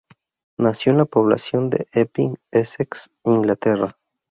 Nació en la población de Epping, Essex, Inglaterra.